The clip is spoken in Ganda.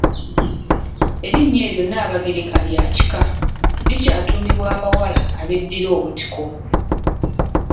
Erinnya eryo Nnaabagereka lya kika, likyatuumibwa abawala abeddira Obutiko.